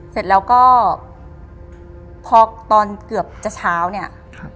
เสร็จแล้วก็พอตอนเกือบจะเช้าเนี่ย